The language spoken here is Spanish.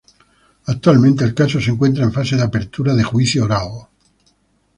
Actualmente el caso se encuentra en fase de apertura de juicio oral.